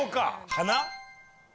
鼻。